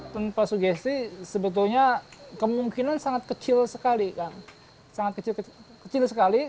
tanpa sugesti sebetulnya kemungkinan sangat kecil sekali